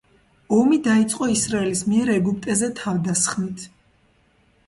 ომი დაიწყო ისრაელის მიერ ეგვიპტეზე თავდასხმით.